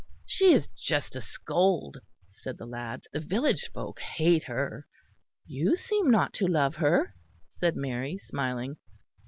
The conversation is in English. "She is just a scold," said the lad, "the village folk hate her." "You seem not to love her," said Mary, smiling.